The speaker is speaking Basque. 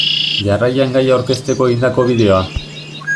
Jarraian gaia aurkezteko egindako bideoa.